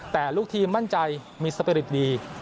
แต่ลูกทีมมั่นใจมีสปิริตดี